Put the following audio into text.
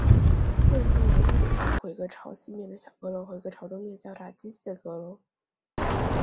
建筑的屋顶包括一个朝西面的小阁楼和一个朝东面较大机械阁楼。